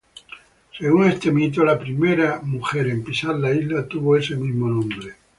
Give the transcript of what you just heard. Según este mito, la primera mujer en pisar la isla tuvo ese mismo nombre.